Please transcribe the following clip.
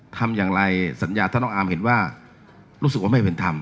ทำอย่างไรสัญญาถ้าน้องอาร์มเห็นว่ารู้สึกว่าไม่เป็นธรรม